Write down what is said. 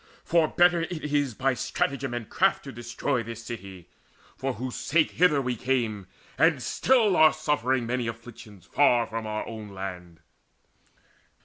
For better it is by stratagem and craft Now to destroy this city, for whose sake Hither we came, and still are suffering Many afflictions far from our own land.